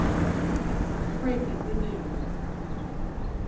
BREAKING THE NEWS.